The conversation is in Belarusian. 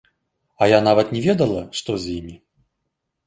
А я нават не ведала, што з імі.